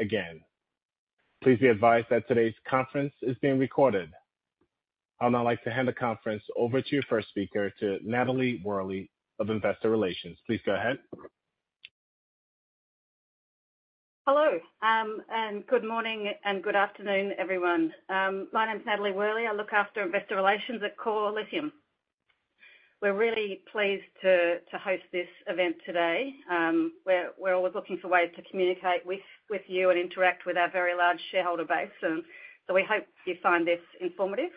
Again, please be advised that today's conference is being recorded. I'd now like to hand the conference over to your first speaker, to Natalie Worley of Investor Relations. Please go ahead. Hello, and good morning and good afternoon, everyone. My name is Natalie Worley. I look after investor relations at Core Lithium. We're really pleased to host this event today. We're always looking for ways to communicate with you and interact with our very large shareholder base, and so we hope you find this informative.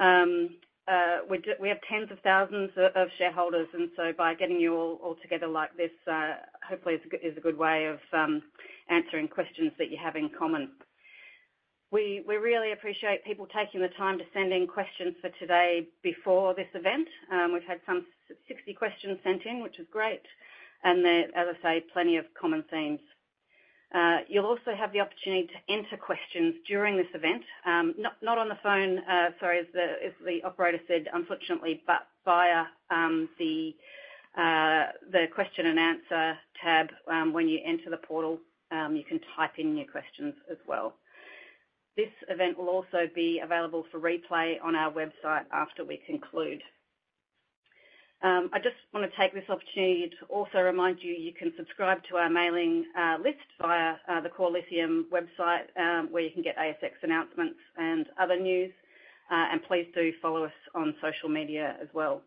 We have tens of thousands of shareholders, and so by getting you all together like this, hopefully is a good way of answering questions that you have in common. We really appreciate people taking the time to send in questions for today before this event. We've had 60 questions sent in, which is great, and there, as I say, plenty of common themes. You'll also have the opportunity to enter questions during this event, not on the phone, sorry, as the operator said, unfortunately, but via the Q&A tab, when you enter the portal, you can type in your questions as well. This event will also be available for replay on our website after we conclude. I just want to take this opportunity to also remind you, you can subscribe to our mailing list via the Core Lithium website, where you can get ASX announcements and other news. Please do follow us on social media as well.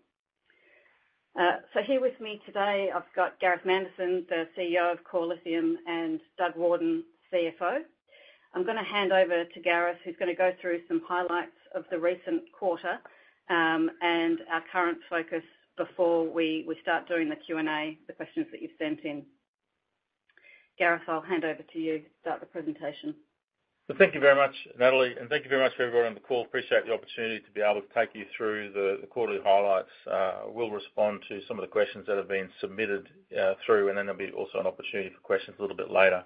Here with me today, I've got Gareth Manderson, the CEO of Core Lithium, and Doug Warden, CFO. I'm gonna hand over to Gareth, who's gonna go through some highlights of the recent quarter, and our current focus before we start doing the Q&A, the questions that you've sent in. Gareth, I'll hand over to you to start the presentation. Well, thank you very much, Natalie, and thank you very much for everyone on the call. Appreciate the opportunity to be able to take you through the quarterly highlights. We'll respond to some of the questions that have been submitted through, and then there'll be also an opportunity for questions a little bit later.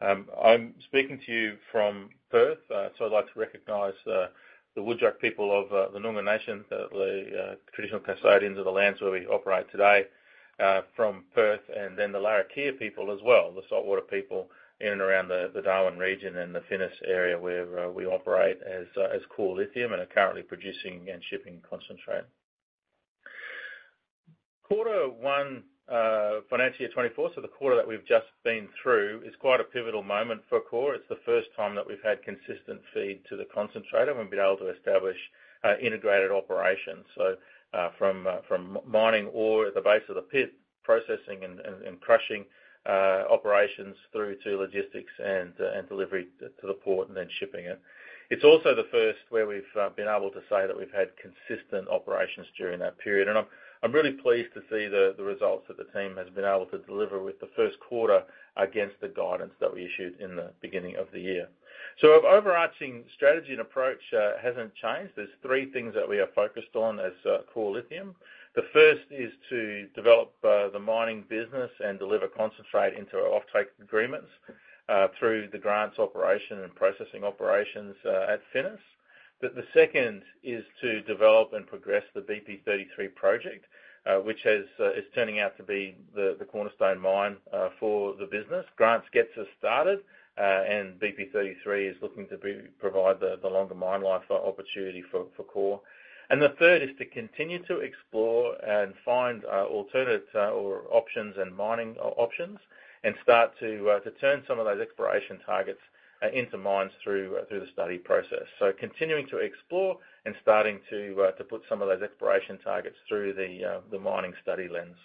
I'm speaking to you from Perth, so I'd like to recognize the Whadjuk people of the Noongar Nation, the traditional custodians of the lands where we operate today from Perth, and then the Larrakia people as well, the saltwater people in and around the Darwin region and the Finniss area, where we operate as Core Lithium and are currently producing and shipping concentrate. Q1, financial year 2024, so the quarter that we've just been through, is quite a pivotal moment for Core. It's the first time that we've had consistent feed to the concentrator and been able to establish integrated operations. So, from mining ore at the base of the pit, processing and crushing operations through to logistics and delivery to the port and then shipping it. It's also the first where we've been able to say that we've had consistent operations during that period, and I'm really pleased to see the results that the team has been able to deliver with the Q1 against the guidance that we issued in the beginning of the year. So our overarching strategy and approach hasn't changed. There's three things that we are focused on as Core Lithium. The first is to develop the mining business and deliver concentrate into our offtake agreements through the Grants operation and processing operations at Finniss. The second is to develop and progress the BP33 project, which is turning out to be the cornerstone mine for the business. Grants gets us started, and BP33 is looking to provide the longer mine life opportunity for Core. And the third is to continue to explore and find alternate or options and mining options, and start to turn some of those exploration targets into mines through the study process. So continuing to explore and starting to put some of those exploration targets through the mining study lens.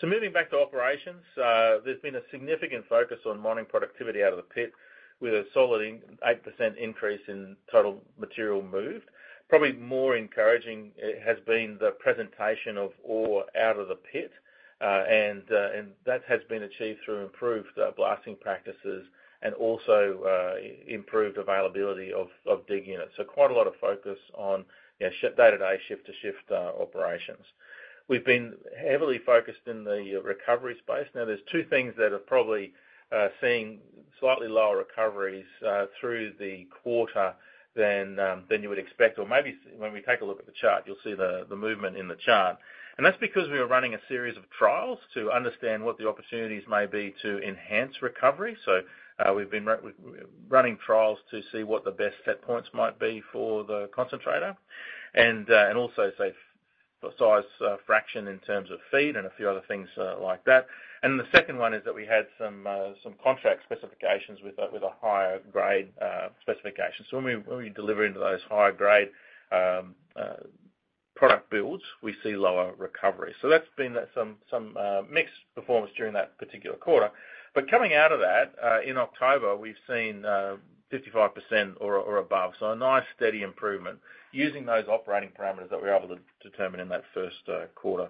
So moving back to operations, there's been a significant focus on mining productivity out of the pit, with a solid 8% increase in total material moved. Probably more encouraging has been the presentation of ore out of the pit. And that has been achieved through improved blasting practices and also improved availability of dig units. So quite a lot of focus on, you know, day-to-day, shift-to-shift operations. We've been heavily focused in the recovery space. Now, there's two things that are probably seeing slightly lower recoveries through the quarter than you would expect, or maybe when we take a look at the chart, you'll see the movement in the chart. And that's because we are running a series of trials to understand what the opportunities may be to enhance recovery. So, we've been running trials to see what the best set points might be for the concentrator and also size fraction in terms of feed and a few other things like that. And the second one is that we had some contract specifications with a higher grade specification. So when we deliver into those higher grade product builds, we see lower recovery. So that's been some mixed performance during that particular quarter. But coming out of that, in October, we've seen 55% or above, so a nice, steady improvement using those operating parameters that we were able to determine in that Q1.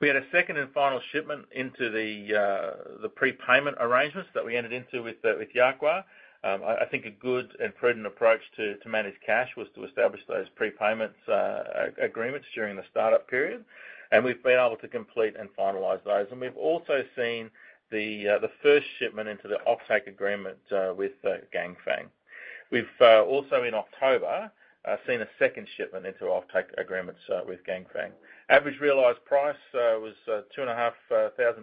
We had a second and final shipment into the prepayment arrangements that we entered into with Jiuquan. I think a good and prudent approach to manage cash was to establish those prepayment agreements during the startup period, and we've been able to complete and finalize those. We've also seen the first shipment into the offtake agreement with Ganfeng. We've also in October seen a second shipment into offtake agreements with Ganfeng. Average realized price was $2,500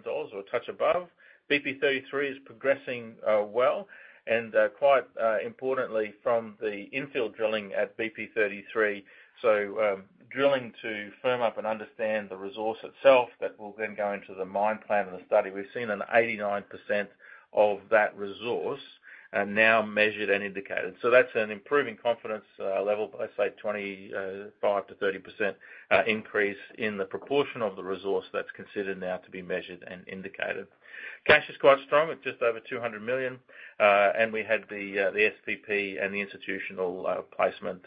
or a touch above. BP33 is progressing well, and quite importantly, from the infill drilling at BP33. So, drilling to firm up and understand the resource itself, that will then go into the mine plan and the study. We've seen 89% of that resource are now measured and indicated. So that's an improving confidence level, but I say 25%-30% increase in the proportion of the resource that's considered now to be measured and indicated. Cash is quite strong at just over 200 million, and we had the SPP and the institutional placement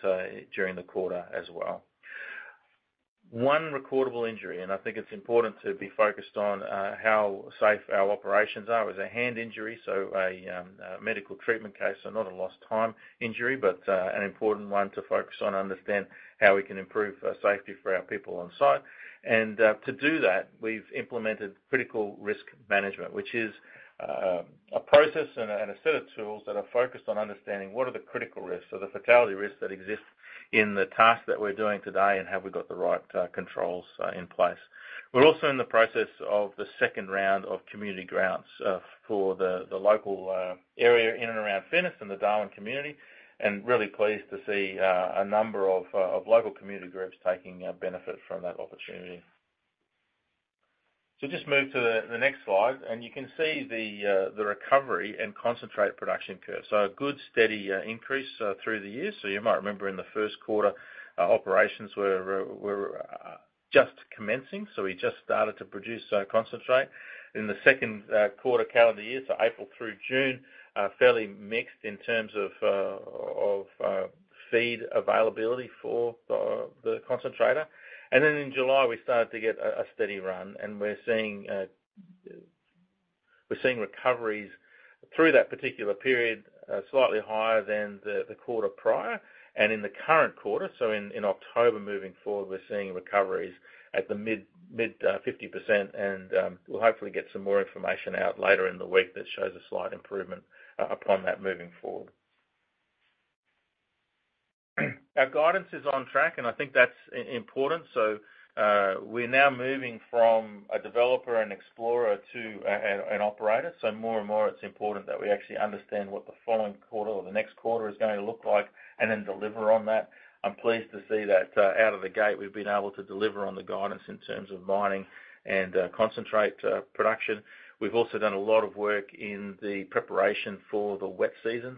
during the quarter as well. One recordable injury, and I think it's important to be focused on how safe our operations are. It was a hand injury, so a medical treatment case, so not a lost time injury, but an important one to focus on, understand how we can improve safety for our people on site. To do that, we've implemented critical risk management, which is a process and a set of tools that are focused on understanding what are the critical risks or the fatality risks that exist in the tasks that we're doing today, and have we got the right controls in place. We're also in the process of the second round of community grants for the local area in and around Finniss and the Darwin community, and really pleased to see a number of local community groups taking benefit from that opportunity. Just move to the next slide, and you can see the recovery and concentrate production curve. A good, steady increase through the year. So you might remember in the Q1, operations were just commencing, so we just started to produce our concentrate. In the Q2 calendar year, so April through June, fairly mixed in terms of feed availability for the concentrator. And then in July, we started to get a steady run, and we're seeing recoveries through that particular period, slightly higher than the quarter prior and in the current quarter. So in October, moving forward, we're seeing recoveries at the mid-50%, and we'll hopefully get some more information out later in the week that shows a slight improvement upon that moving forward. Our guidance is on track, and I think that's important. So, we're now moving from a developer and explorer to an operator. So more and more, it's important that we actually understand what the following quarter or the next quarter is going to look like, and then deliver on that. I'm pleased to see that, out of the gate, we've been able to deliver on the guidance in terms of mining and concentrate production. We've also done a lot of work in the preparation for the wet season,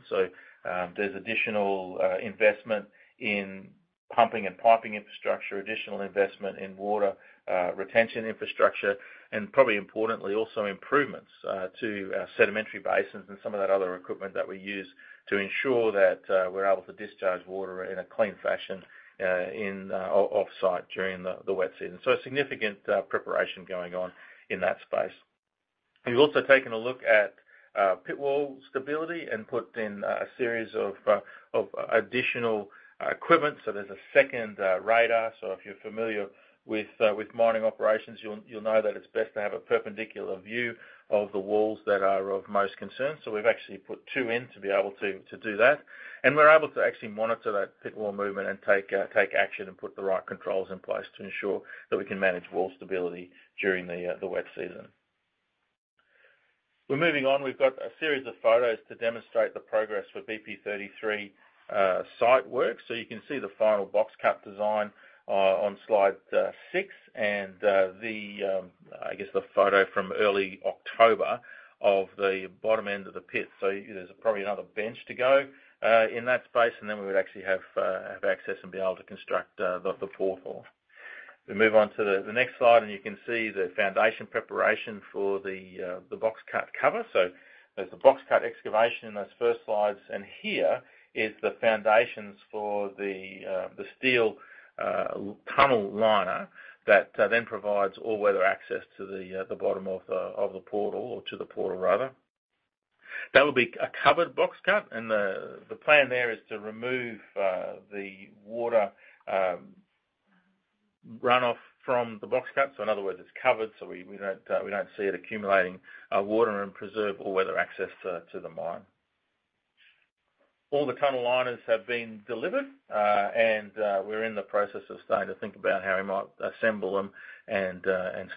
so there's additional investment in pumping and piping infrastructure, additional investment in water retention infrastructure, and probably importantly, also improvements to our sedimentary basins and some of that other equipment that we use to ensure that we're able to discharge water in a clean fashion off-site during the wet season. So a significant preparation going on in that space. We've also taken a look at pit wall stability and put in a series of additional equipment. So there's a second radar. So if you're familiar with mining operations, you'll know that it's best to have a perpendicular view of the walls that are of most concern. So we've actually put two in to be able to do that. And we're able to actually monitor that pit wall movement and take action and put the right controls in place to ensure that we can manage wall stability during the wet season. We're moving on. We've got a series of photos to demonstrate the progress with BP33 site work. So you can see the final box cut design on slide six, and I guess the photo from early October of the bottom end of the pit. So there's probably another bench to go in that space, and then we would actually have access and be able to construct the fourth wall. We move on to the next slide, and you can see the foundation preparation for the box cut cover. So there's the box cut excavation in those first slides, and here is the foundations for the steel tunnel liner that then provides all-weather access to the bottom of the portal, or to the portal rather. That will be a covered box cut, and the plan there is to remove the water runoff from the box cut. So in other words, it's covered, so we don't see it accumulating water and preserve all-weather access to the mine. All the tunnel liners have been delivered, and we're in the process of starting to think about how we might assemble them and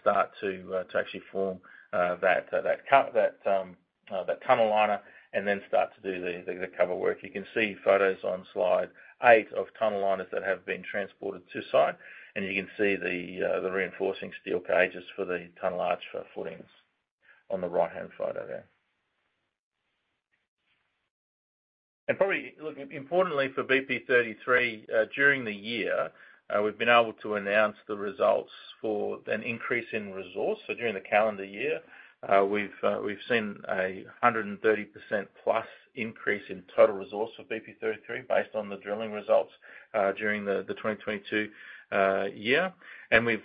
start to actually form that tunnel liner, and then start to do the cover work. You can see photos on slide 8 of tunnel liners that have been transported to site, and you can see the reinforcing steel cages for the tunnel arch footings on the right-hand photo there. Probably, look, importantly for BP33, during the year, we've been able to announce the results for an increase in resource. So during the calendar year, we've seen a 130%+ increase in total resource for BP33 based on the drilling results during the 2022 year. And we've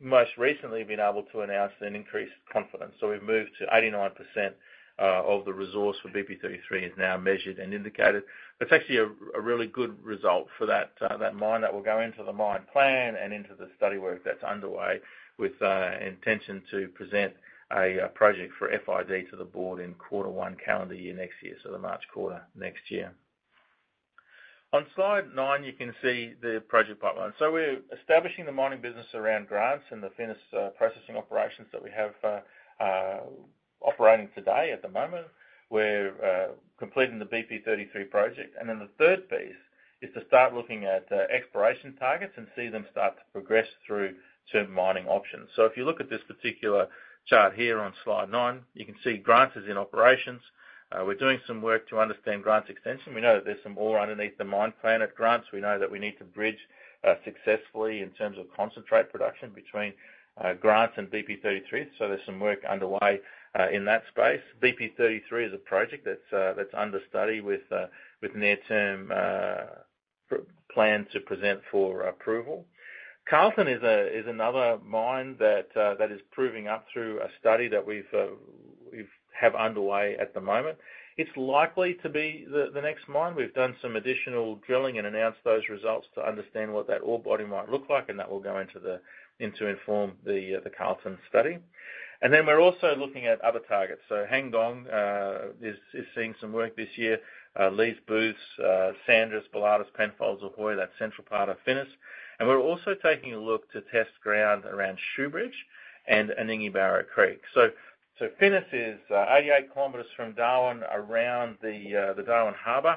most recently been able to announce an increased confidence. So we've moved to 89% of the resource for BP33 is now measured and indicated. That's actually a really good result for that mine. That will go into the mine plan and into the study work that's underway with intention to present a project for FID to the board in Q1 calendar year next year, so the March quarter next year. On slide 9, you can see the project pipeline. So we're establishing the mining business around Grants and the Finniss processing operations that we have operating today at the moment. We're completing the BP33 project. And then the third piece is to start looking at exploration targets and see them start to progress through to mining options. So if you look at this particular chart here on slide nine, you can see Grants is in operations. We're doing some work to understand Grants extension. We know that there's some ore underneath the mine plan at Grants. We know that we need to bridge successfully in terms of concentrate production between Grants and BP33, so there's some work underway in that space. BP33 is a project that's under study with near-term plan to present for approval. Carlton is another mine that is proving up through a study that we have underway at the moment. It's likely to be the next mine. We've done some additional drilling and announced those results to understand what that ore body might look like, and that will go into to inform the Carlton study. And then we're also looking at other targets. So Hang Gong is seeing some work this year. Lees, Sandras, Bilatos, Penfolds, Ahoy, that central part of Finniss. And we're also taking a look to test ground around Shoobridge and Anningie and Barrow Creek. So Finniss is 88 km from Darwin, around the Darwin Harbor.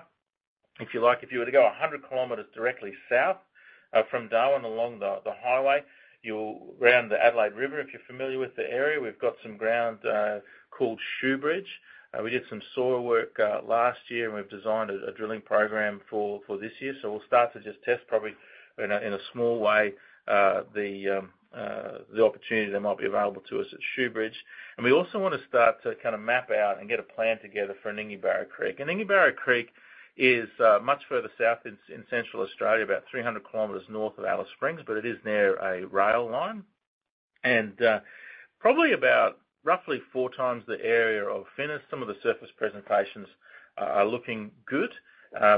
If you like, if you were to go 100 km directly south from Darwin, along the highway, you'll round the Adelaide River, if you're familiar with the area. We've got some ground called Shoobridge. We did some soil work last year, and we've designed a drilling program for this year. So we'll start to just test probably in a small way the opportunity that might be available to us at Shoobridge. We also want to start to kind of map out and get a plan together for Anningie Creek. Anningie Creek is much further south in central Australia, about 300 km north of Alice Springs, but it is near a rail line, and probably about roughly four times the area of Finniss. Some of the surface presentations are looking good.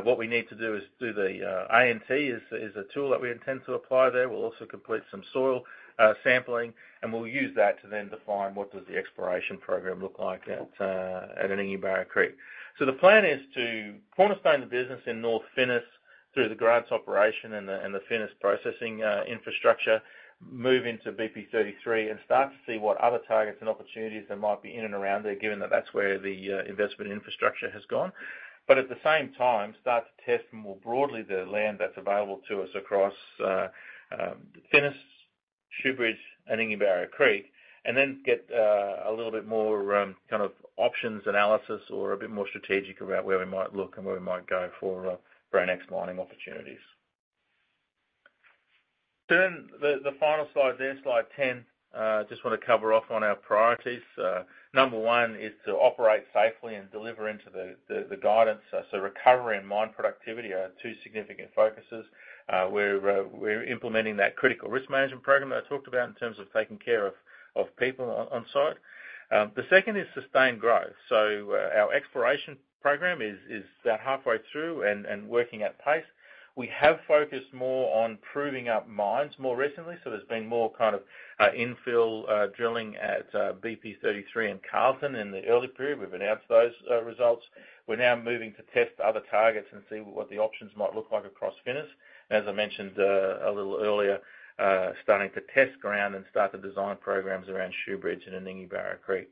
What we need to do is do the ANT, a tool that we intend to apply there. We'll also complete some soil sampling, and we'll use that to then define what does the exploration program look like at Anningie Creek. So the plan is to cornerstone the business in North Finniss through the Grants operation and the Finniss processing infrastructure, move into BP33, and start to see what other targets and opportunities there might be in and around there, given that that's where the existing infrastructure has gone. But at the same time, start to test more broadly the land that's available to us across Finniss, Shoobridge, and Anningie and Barrow Creek, and then get a little bit more kind of options analysis or a bit more strategic about where we might look and where we might go for for our next mining opportunities. The final slide there, slide 10, just want to cover off on our priorities. Number one is to operate safely and deliver into the guidance. So recovery and mine productivity are two significant focuses. We're implementing that critical risk management program that I talked about in terms of taking care of people on site. The second is sustained growth. So our exploration program is about halfway through and working at pace. We have focused more on proving up mines more recently, so there's been more kind of infill drilling at BP33 and Carlton in the early period. We've announced those results. We're now moving to test other targets and see what the options might look like across Finniss. As I mentioned a little earlier, starting to test ground and start to design programs around Shoobridge and Anningie and Barrow Creek.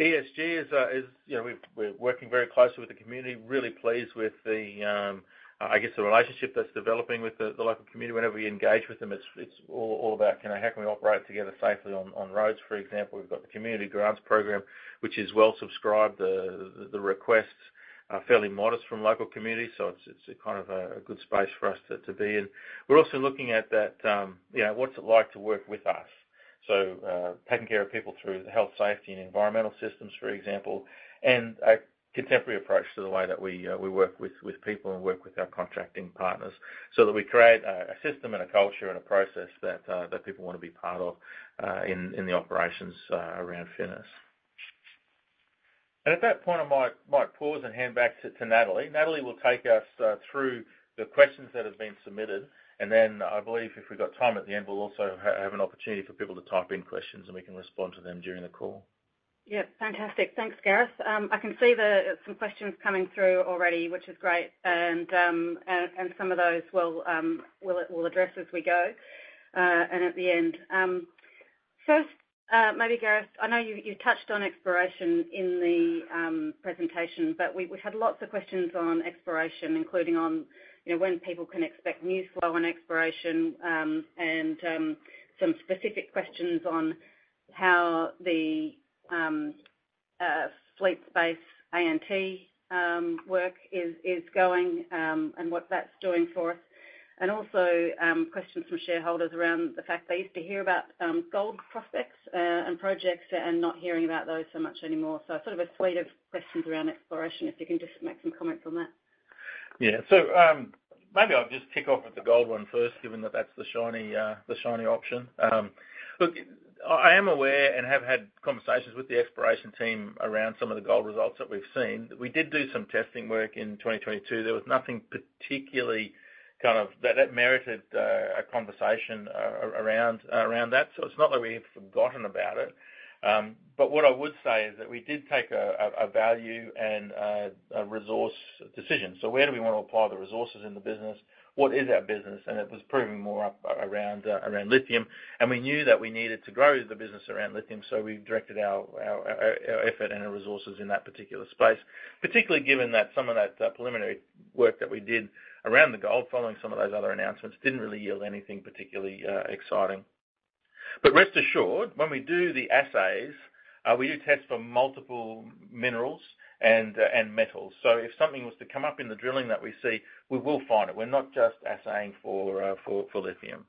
ESG is, you know, we're working very closely with the community. Really pleased with the, I guess, the relationship that's developing with the local community. Whenever we engage with them, it's all about, you know, how can we operate together safely on roads, for example. We've got the community grants program, which is well subscribed. The requests are fairly modest from local communities, so it's a kind of a good space for us to be in. We're also looking at that, you know, what's it like to work with us? So, taking care of people through the health, safety, and environmental systems, for example, and a contemporary approach to the way that we work with people and work with our contracting partners so that we create a system and a culture and a process that people want to be part of in the operations around Finniss. And at that point, I might pause and hand back to Natalie. Natalie will take us through the questions that have been submitted, and then I believe if we've got time at the end, we'll also have an opportunity for people to type in questions, and we can respond to them during the call. Yep, fantastic. Thanks, Gareth. I can see some questions coming through already, which is great, and some of those we'll address as we go, and at the end. First, maybe, Gareth, I know you touched on exploration in the presentation, but we had lots of questions on exploration, including on, you know, when people can expect news flow on exploration, and some specific questions on how the Fleet Space ANT work is going, and what that's doing for us. And also, questions from shareholders around the fact they used to hear about gold prospects and projects, and not hearing about those so much anymore. So sort of a suite of questions around exploration, if you can just make some comments on that. Yeah. So, maybe I'll just kick off with the gold one first, given that that's the shiny option. I am aware and have had conversations with the exploration team around some of the gold results that we've seen. We did do some testing work in 2022. There was nothing particularly that merited a conversation around that. So it's not that we've forgotten about it. But what I would say is that we did take a value and a resource decision. So where do we want to apply the resources in the business? What is our business? And it was proving more up around lithium, and we knew that we needed to grow the business around lithium, so we directed our effort and our resources in that particular space. Particularly given that some of that preliminary work that we did around the gold, following some of those other announcements, didn't really yield anything particularly exciting. But rest assured, when we do the assays, we do test for multiple minerals and metals. So if something was to come up in the drilling that we see, we will find it. We're not just assaying for lithium.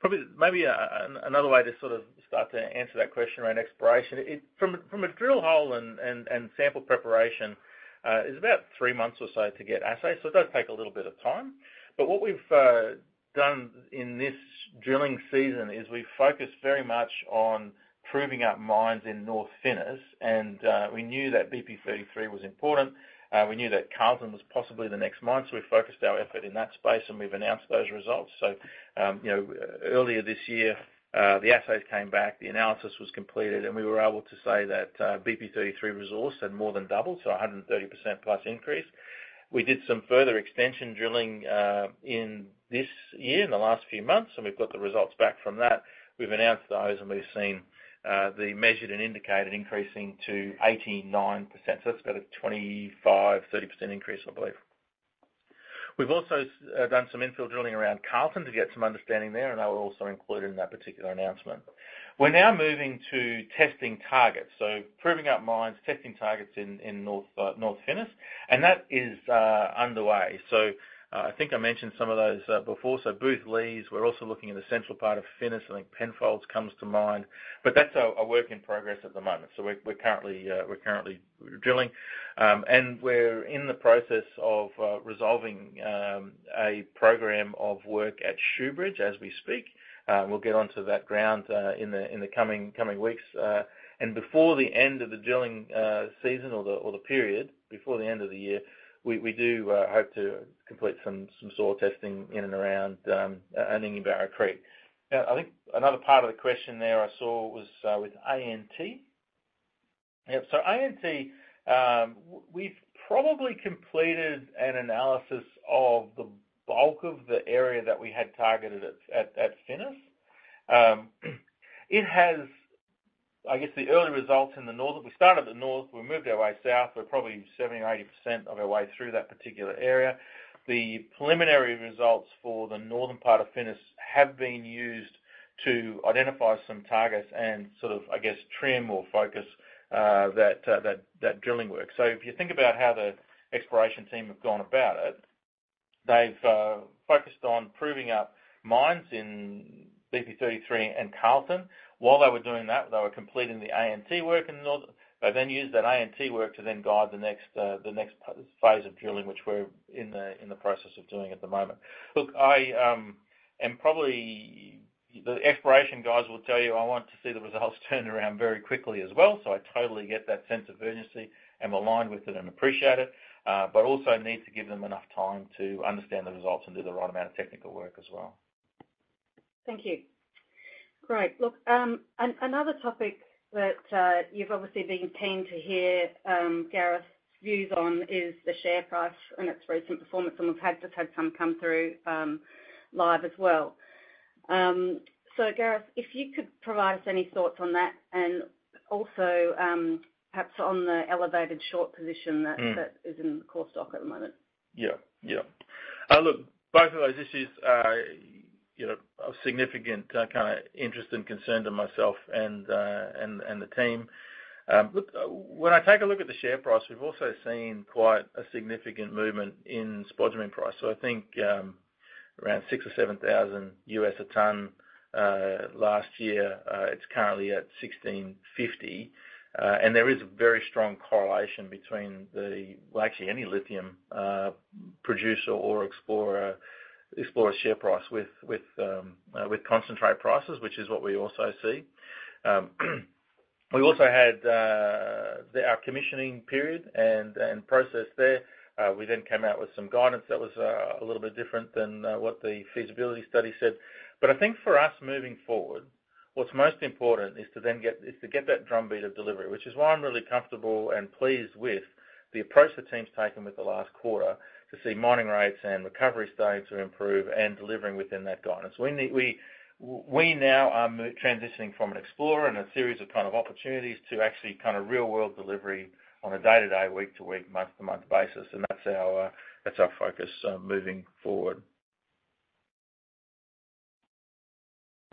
Probably, maybe another way to sort of start to answer that question around exploration from a drill hole and sample preparation is about three months or so to get assay. So it does take a little bit of time. But what we've done in this drilling season is we've focused very much on proving up mines in North Finniss, and we knew that BP33 was important. We knew that Carlton was possibly the next mine, so we focused our effort in that space, and we've announced those results. So, you know, earlier this year, the assays came back, the analysis was completed, and we were able to say that, BP33 resource had more than doubled, so a 130%+ increase. We did some further extension drilling, in this year, in the last few months, and we've got the results back from that. We've announced those, and we've seen, the measured and indicated increasing to 89%. So that's about a 25-30% increase, I believe. We've also, done some infill drilling around Carlton to get some understanding there, and they were also included in that particular announcement. We're now moving to testing targets, so proving up mines, testing targets in North Finniss, and that is underway. So, I think I mentioned some of those before. So Booths, Lees, we're also looking in the central part of Finniss. I think Penfolds comes to mind, but that's a work in progress at the moment. So we're currently drilling. And we're in the process of resolving a program of work at Shoobridge as we speak. We'll get onto that ground in the coming weeks. And before the end of the drilling season or the period before the end of the year, we do hope to complete some soil testing in and around Anningie and Barrow Creek. Now, I think another part of the question there I saw was with ANT. Yep, so ANT, we've probably completed an analysis of the bulk of the area that we had targeted at Finniss. It has... I guess, the early results in the northern— We started at the north, we moved our way south. We're probably 70 or 80% of our way through that particular area. The preliminary results for the northern part of Finniss have been used to identify some targets and sort of, I guess, trim or focus that drilling work. So if you think about how the exploration team have gone about it, they've focused on proving up mines in BP33 and Carlton. While they were doing that, they were completing the ANT work in the north. They then used that ANT work to then guide the next, the next phase of drilling, which we're in the process of doing at the moment. Look, I am probably... The exploration guys will tell you, I want to see the results turned around very quickly as well. So I totally get that sense of urgency and am aligned with it and appreciate it, but also need to give them enough time to understand the results and do the right amount of technical work as well. Thank you. Great. Look, another topic that you've obviously been keen to hear Gareth's views on is the share price and its recent performance, and we've had, just had some come through live as well. So Gareth, if you could provide us any thoughts on that and also perhaps on the elevated short position that- Mm. -that is in Core stock at the moment. Yeah. Yeah. Look, both of those issues are, you know, of significant kind of interest and concern to myself and the team. Look, when I take a look at the share price, we've also seen quite a significant movement in spodumene price. So I think, around $6,000-$7,000 a ton last year. It's currently at $1,650, and there is a very strong correlation between the- well, actually any lithium producer or explorer share price with concentrate prices, which is what we also see. We also had our commissioning period and process there. We then came out with some guidance that was a little bit different than what the feasibility study said. But I think for us moving forward, what's most important is to get that drumbeat of delivery, which is why I'm really comfortable and pleased with the approach the team's taken with the last quarter to see mining rates and recovery rates improve and delivering within that guidance. We now are transitioning from an explorer and a series of kind of opportunities to actually kind of real-world delivery on a day-to-day, week-to-week, month-to-month basis, and that's our, that's our focus, moving forward.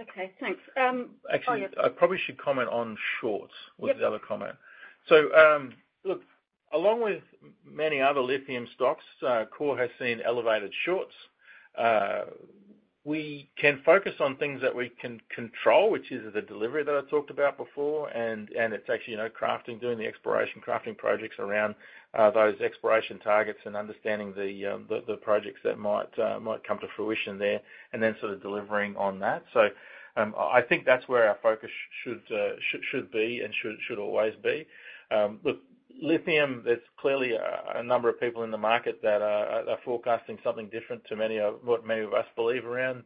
Okay, thanks. Yeah. Actually, I probably should comment on shorts- Yep. was the other comment. So, look, along with many other lithium stocks, Core has seen elevated shorts. We can focus on things that we can control, which is the delivery that I talked about before, and it's actually, you know, crafting, doing the exploration, crafting projects around those exploration targets and understanding the projects that might come to fruition there, and then sort of delivering on that. So, I think that's where our focus should be and should always be. Look, lithium, there's clearly a number of people in the market that are forecasting something different to many of what many of us believe around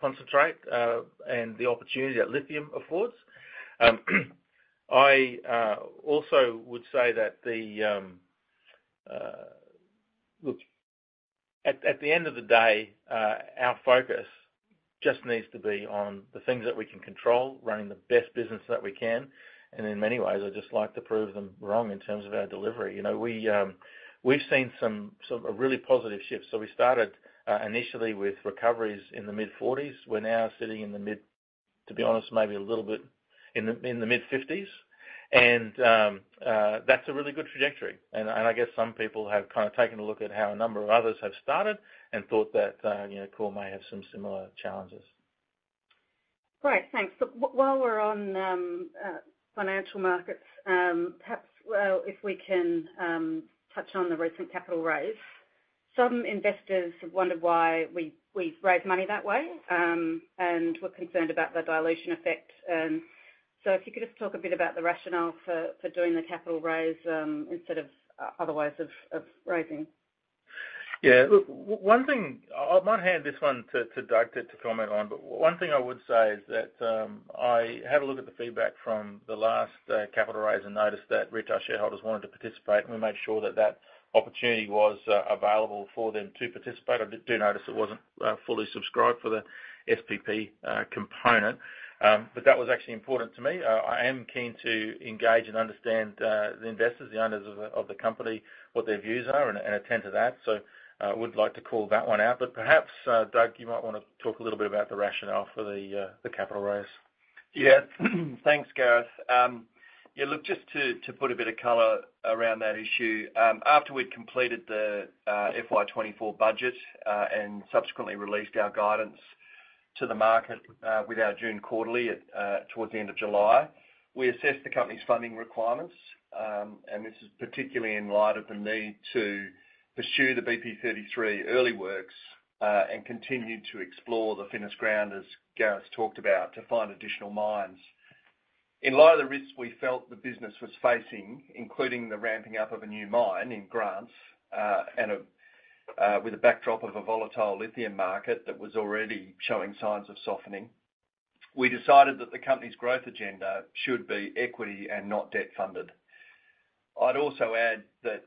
concentrate and the opportunity that lithium affords. I also would say that the... Look, at the end of the day, our focus just needs to be on the things that we can control, running the best business that we can. And in many ways, I'd just like to prove them wrong in terms of our delivery. You know, we've seen some sort of a really positive shift. So we started initially with recoveries in the mid-40s. We're now sitting in the mid-, to be honest, maybe a little bit in the, in the mid-50s. And that's a really good trajectory. And I guess some people have kind of taken a look at how a number of others have started and thought that, you know, Core may have some similar challenges. Great, thanks. But while we're on financial markets, perhaps, well, if we can touch on the recent capital raise. Some investors have wondered why we've raised money that way, and we're concerned about the dilution effect. So if you could just talk a bit about the rationale for doing the capital raise instead of other ways of raising. Yeah. Look, one thing. I might hand this one to Doug to comment on. But one thing I would say is that I had a look at the feedback from the last capital raise and noticed that retail shareholders wanted to participate, and we made sure that that opportunity was available for them to participate. I do notice it wasn't fully subscribed for the SPP component. But that was actually important to me. I am keen to engage and understand the investors, the owners of the company, what their views are, and attend to that. So, would like to call that one out. But perhaps, Doug, you might want to talk a little bit about the rationale for the capital raise. Yeah. Thanks, Gareth. Yeah, look, just to put a bit of color around that issue, after we'd completed the FY 2024 budget and subsequently released our guidance to the market with our June quarterly towards the end of July, we assessed the company's funding requirements, and this is particularly in light of the need to pursue the BP33 early works and continue to explore the Finniss ground, as Gareth talked about, to find additional mines. In light of the risks we felt the business was facing, including the ramping up of a new mine in Grants and with a backdrop of a volatile lithium market that was already showing signs of softening, we decided that the company's growth agenda should be equity and not debt-funded. I'd also add that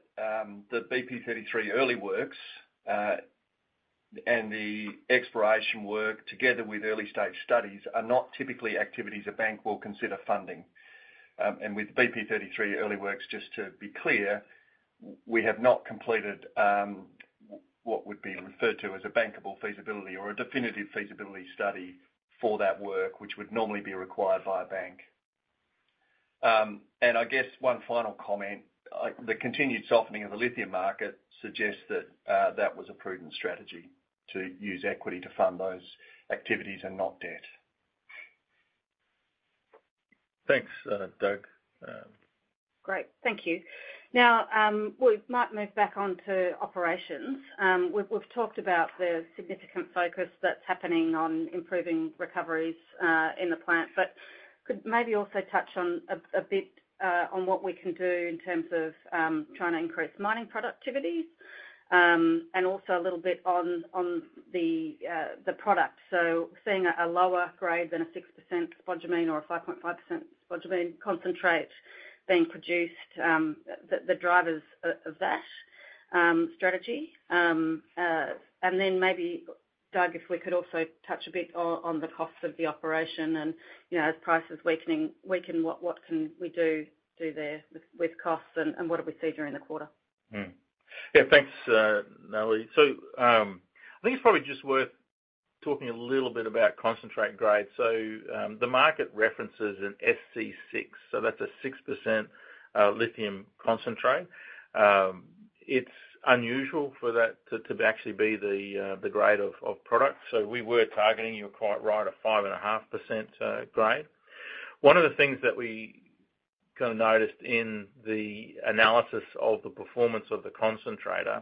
the BP33 early works and the exploration work, together with early-stage studies, are not typically activities a bank will consider funding. With BP33 early works, just to be clear, we have not completed what would be referred to as a bankable feasibility or a definitive feasibility study for that work, which would normally be required by a bank. I guess one final comment, the continued softening of the lithium market suggests that that was a prudent strategy, to use equity to fund those activities and not debt. Thanks, Doug. Great. Thank you. Now, we might move back on to operations. We've talked about the significant focus that's happening on improving recoveries in the plant, but could maybe also touch on a bit on what we can do in terms of trying to increase mining productivity, and also a little bit on the product. So seeing a lower grade than a 6% spodumene or a 5.5% spodumene concentrate being produced, the drivers of that strategy. And then maybe, Doug, if we could also touch a bit on the costs of the operation and, you know, as prices weakening, what can we do there with costs and what did we see during the quarter? Yeah, thanks, Natalie. So, I think it's probably just worth talking a little bit about concentrate grade. So, the market references an SC6, so that's a 6% lithium concentrate. It's unusual for that to actually be the grade of product. So we were targeting, you're quite right, a 5.5% grade. One of the things that we kind of noticed in the analysis of the performance of the concentrator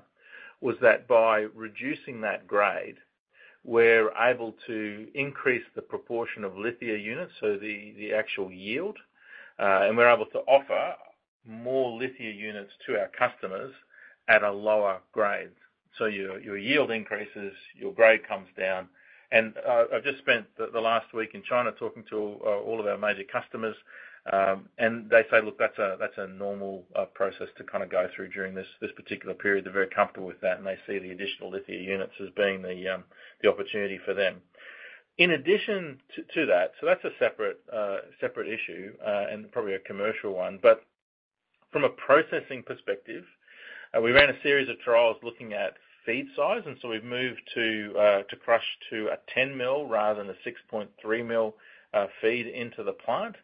was that by reducing that grade, we're able to increase the proportion of lithia units, so the actual yield. And we're able to offer more lithia units to our customers at a lower grade. So your yield increases, your grade comes down. And, I've just spent the last week in China talking to all of our major customers, and they say: Look, that's a normal process to kind of go through during this particular period. They're very comfortable with that, and they see the additional lithia units as being the opportunity for them. In addition to that. So that's a separate issue, and probably a commercial one. But from a processing perspective, we ran a series of trials looking at feed size, and so we've moved to crush to a 10 mil rather than a 6.3 mil feed into the plant.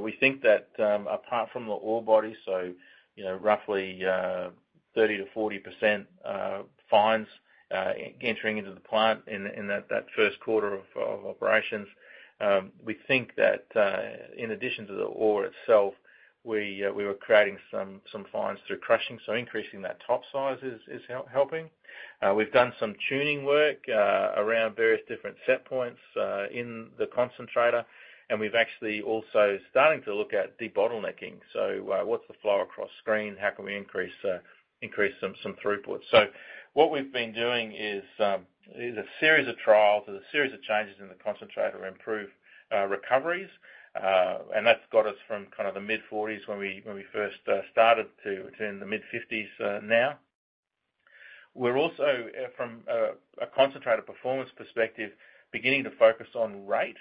We think that, apart from the ore body, so-... You know, roughly, 30%-40% fines entering into the plant in that Q1 of operations. We think that, in addition to the ore itself, we were creating some fines through crushing. So increasing that top size is helping. We've done some tuning work around various different set points in the concentrator, and we've actually also starting to look at debottlenecking. So, what's the flow across screen? How can we increase some throughput? So what we've been doing is a series of trials and a series of changes in the concentrator to improve recoveries. And that's got us from kind of the mid-40s% when we first started to the mid-50s%, now. We're also from a concentrator performance perspective, beginning to focus on rate.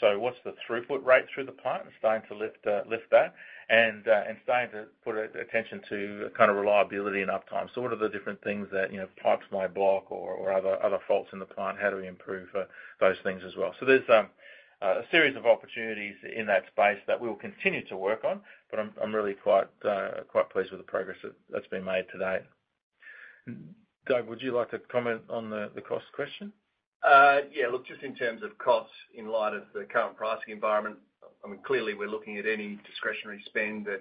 So what's the throughput rate through the plant? And starting to lift, lift that, and starting to put attention to kind of reliability and uptime. So what are the different things that, you know, pipes might block or, or other, other faults in the plant? How do we improve those things as well? So there's a series of opportunities in that space that we'll continue to work on, but I'm, I'm really quite, quite pleased with the progress that's been made to date. Doug, would you like to comment on the cost question? Yeah, look, just in terms of costs, in light of the current pricing environment, I mean, clearly, we're looking at any discretionary spend that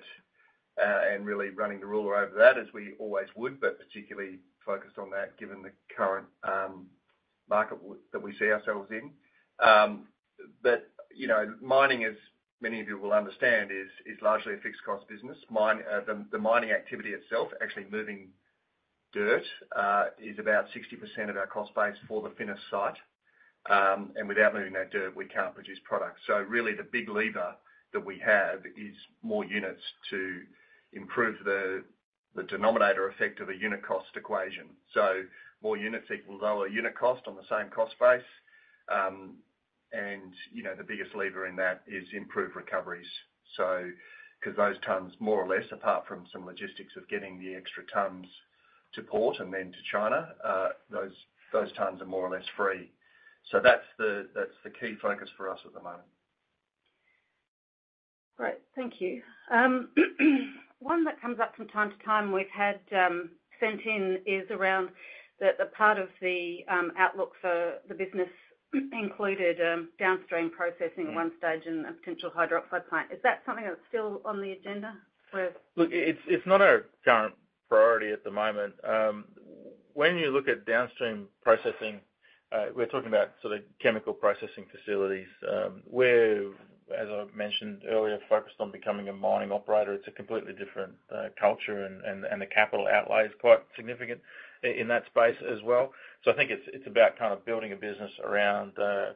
and really running the ruler over that, as we always would, but particularly focused on that given the current market that we see ourselves in. But, you know, mining, as many of you will understand, is, is largely a fixed cost business. The mining activity itself, actually moving dirt, is about 60% of our cost base for the Finniss site. And without moving that dirt, we can't produce product. So really, the big lever that we have is more units to improve the, the denominator effect of a unit cost equation. So more units equals lower unit cost on the same cost base. And, you know, the biggest lever in that is improved recoveries. 'Cause those tons, more or less, apart from some logistics of getting the extra tons to port and then to China, those, those tons are more or less free. So that's the, that's the key focus for us at the moment. Great. Thank you. One that comes up from time to time we've had sent in is around the part of the outlook for the business, included downstream processing at one stage and a potential hydroxide plant. Is that something that's still on the agenda for us? Look, it's not our current priority at the moment. When you look at downstream processing, we're talking about sort of chemical processing facilities. We're, as I mentioned earlier, focused on becoming a mining operator. It's a completely different culture and the capital outlay is quite significant in that space as well. So I think it's about kind of building a business around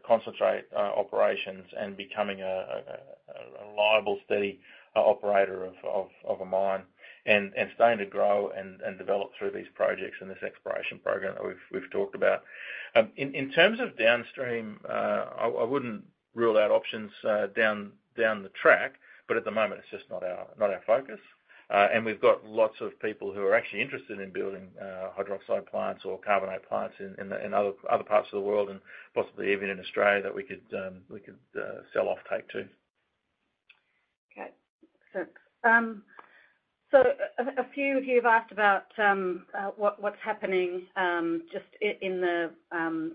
concentrate operations and becoming a reliable, steady operator of a mine. And starting to grow and develop through these projects and this exploration program that we've talked about. In terms of downstream, I wouldn't rule out options down the track, but at the moment, it's just not our focus. And we've got lots of people who are actually interested in building hydroxide plants or carbonate plants in other parts of the world and possibly even in Australia that we could sell offtake to. Okay. So, a few of you have asked about what, what's happening just in the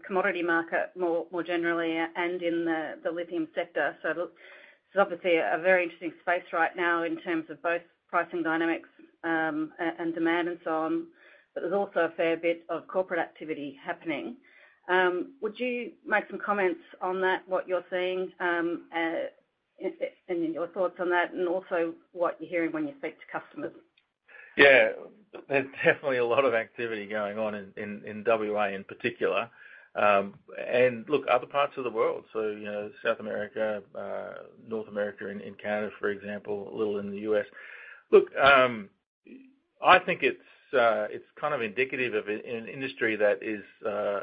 commodity market more generally and in the lithium sector. So look, it's obviously a very interesting space right now in terms of both pricing dynamics and demand and so on, but there's also a fair bit of corporate activity happening. Would you make some comments on that, what you're seeing, and your thoughts on that, and also what you're hearing when you speak to customers? Yeah. There's definitely a lot of activity going on in WA in particular. And look, other parts of the world, so, you know, South America, North America, in Canada, for example, a little in the US. Look, I think it's kind of indicative of an industry that is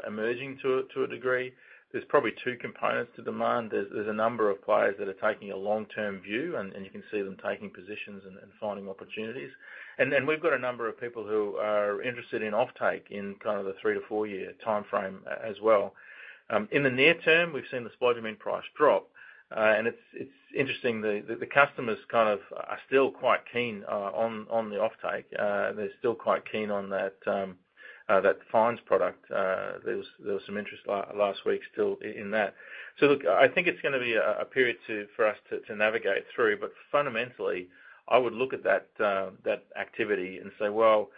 emerging to a degree. There's probably two components to demand. There's a number of players that are taking a long-term view, and you can see them taking positions and finding opportunities. And then we've got a number of people who are interested in offtake in kind of the 3-4-year timeframe as well. In the near term, we've seen the spodumene price drop, and it's interesting, the customers kind of are still quite keen on the offtake. They're still quite keen on that fines product. There was some interest last week still in that. So look, I think it's gonna be a period for us to navigate through. But fundamentally, I would look at that activity and say, "Well,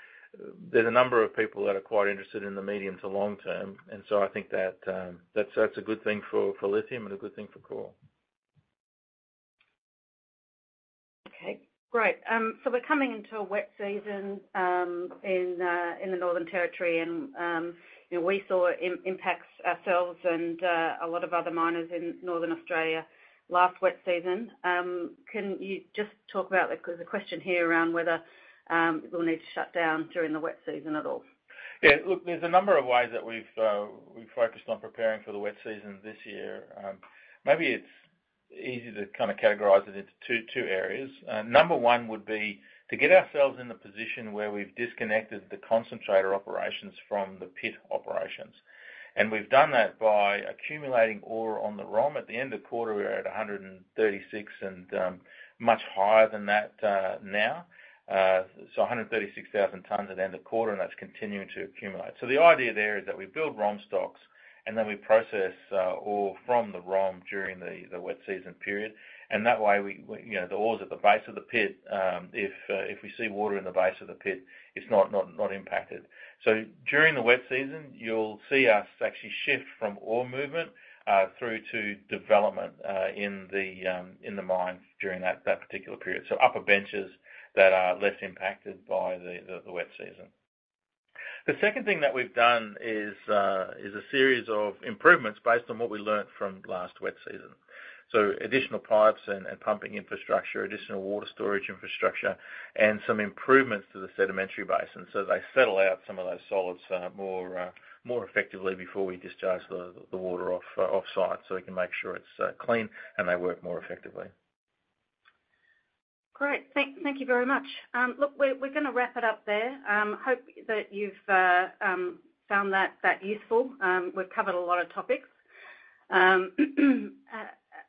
there's a number of people that are quite interested in the medium to long term." And so I think that that's a good thing for lithium and a good thing for Core. Okay, great. So we're coming into a wet season in the Northern Territory, and you know, we saw impacts ourselves and a lot of other miners in Northern Australia last wet season. Can you just talk about, like, there's a question here around whether we'll need to shut down during the wet season at all? Yeah. Look, there's a number of ways that we've focused on preparing for the wet season this year. Maybe it's easy to kind of categorize it into two areas. Number one would be to get ourselves in a position where we've disconnected the concentrator operations from the pit operations, and we've done that by accumulating ore on the ROM. At the end of quarter, we were at 136, and much higher than that now. So 136,000 tons at the end of quarter, and that's continuing to accumulate. So the idea there is that we build ROM stocks, and then we process ore from the ROM during the wet season period. And that way, we you know, the ores at the base of the pit, if we see water in the base of the pit, it's not impacted. So during the wet season, you'll see us actually shift from ore movement through to development in the mine during that particular period. So upper benches that are less impacted by the wet season. The second thing that we've done is a series of improvements based on what we learned from last wet season. So additional pipes and pumping infrastructure, additional water storage infrastructure, and some improvements to the sedimentary basin. So they settle out some of those solids more effectively before we discharge the water offsite, so we can make sure it's clean and they work more effectively. Great. Thank you very much. Look, we're gonna wrap it up there. Hope that you've found that useful. We've covered a lot of topics.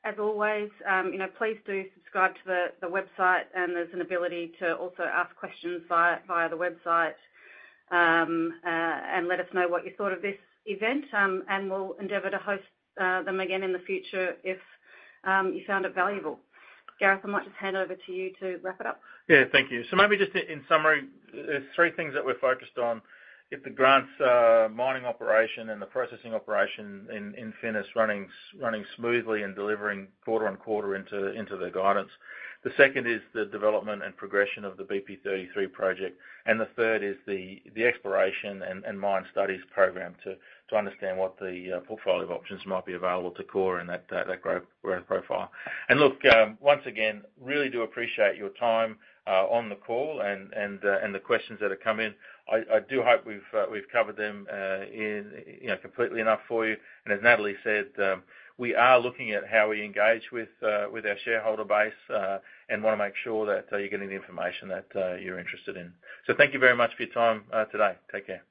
As always, you know, please do subscribe to the website, and there's an ability to also ask questions via the website. And let us know what you thought of this event, and we'll endeavor to host them again in the future if you found it valuable. Gareth, I might just hand over to you to wrap it up. Yeah, thank you. So maybe just in summary, there's three things that we're focused on: get the Grants mining operation and the processing operation in Finniss running smoothly and delivering quarter-over-quarter into the guidance. The second is the development and progression of the BP-33 project. And the third is the exploration and mine studies program to understand what the portfolio of options might be available to Core in that growth profile. And look, once again, really do appreciate your time on the call and the questions that have come in. I do hope we've covered them in you know completely enough for you. As Natalie said, we are looking at how we engage with our shareholder base and wanna make sure that you're getting the information that you're interested in. So thank you very much for your time today. Take care.